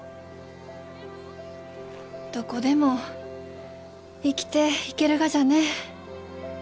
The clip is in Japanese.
どこでも生きていけるがじゃね。